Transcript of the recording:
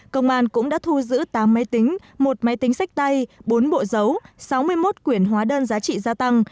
công an cũng đã thu giữ tám máy tính một máy tính sách tay bốn bộ dấu sáu mươi một quyển hóa đơn giá trị gia tăng